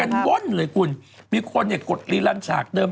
กันวนเลยคุณมีคนกดลีลังฉากเดิม